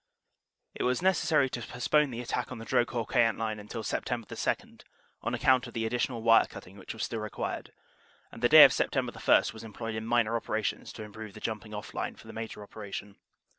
"It was necessary to postpone the attack on the Drocourt Queant line until Sept. 2 on account of the additional wire cutting which was still required, and the day of Sept. 1 was employed in minor operations to improve the jumping off line for the major operation.